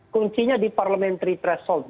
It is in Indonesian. kuncinya di parliamentary threshold